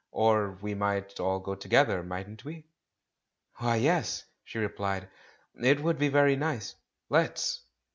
Or we might all go together, mightn't we ?" "Why, yes," she replied, "it would be very nice. Let's!"